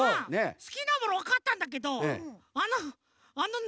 すきなものわかったんだけどあのなにをなにあれ？